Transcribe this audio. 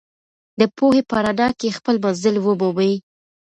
د پوهې په رڼا کې خپل منزل ومومئ.